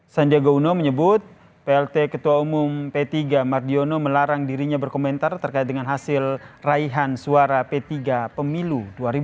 sandiaga uno menyebut plt ketua umum p tiga mardiono melarang dirinya berkomentar terkait dengan hasil raihan suara p tiga pemilu dua ribu dua puluh